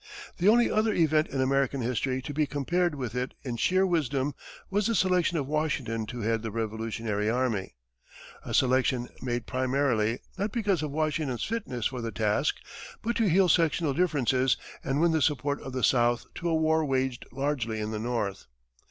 The only other event in American history to be compared with it in sheer wisdom was the selection of Washington to head the Revolutionary army a selection made primarily, not because of Washington's fitness for the task, but to heal sectional differences and win the support of the South to a war waged largely in the North.